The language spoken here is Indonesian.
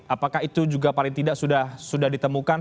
apakah itu juga paling tidak sudah ditemukan